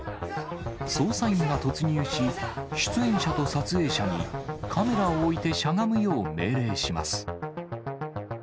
捜査員が突入し、出演者と撮影者にカメラを置いて、しゃがむよう命令します。